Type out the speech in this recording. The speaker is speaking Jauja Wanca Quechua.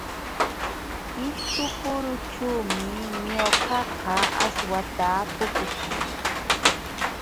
Ishkupurućhuumi ñuqaqa aswata puquchii.